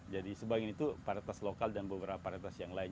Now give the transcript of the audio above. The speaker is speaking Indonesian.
jadi sebagian itu paritas lokal dan beberapa paritas yang lain